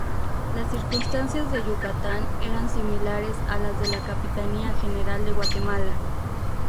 Las circunstancias de Yucatán eran similares a las de la "capitanía general de Guatemala".